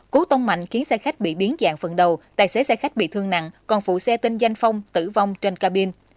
cú tông mạnh khiến xe khách bị biến dạng phần đầu tài xế xe khách bị thương nặng còn phụ xe tên danh phong tử vong trên cabin